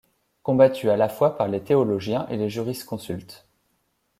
Combattu à la fois par les théologiens et les jurisconsultes.